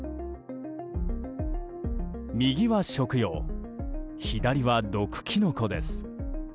右は食用、左は毒キノコです。